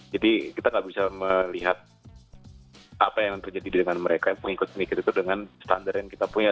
jadi kita tidak bisa melihat apa yang terjadi dengan mereka yang mengikut ini gitu dengan standar yang kita punya